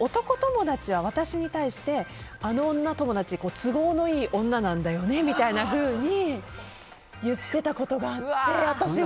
男友達は私に対してあの女友達、都合のいい女なんだよねというふうに言ってたことがあって。